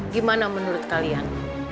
gimana menurut kalian